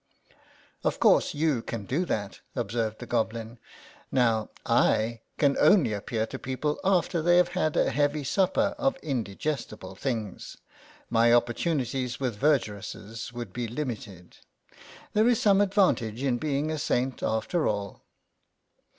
" Of course you can do that," observed the Goblin. Now, / can only appear to people after they have had a heavy supper of indi gestible things. My opportunities with the THE SAINT AND THE GOBLIN 63 vergeress would be limited. There is some advantage in being a saint after all."